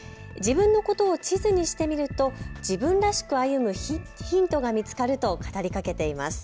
自分のことを地図にしてみると自分らしく歩むヒントが見つかると語りかけています。